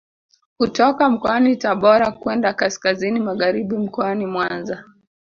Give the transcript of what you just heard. Kutoka mkoani Tabora kwenda kaskazini magharibi mkoani Mwanza